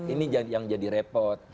ini yang jadi repot